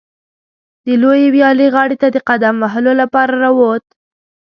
د لویې ویالې غاړې ته د قدم وهلو لپاره راووت.